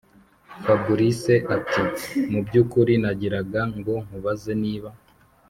fabric ati”mubyukuri nagiraga ngo nkubaze niba